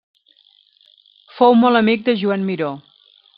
Fou molt amic de Joan Miró.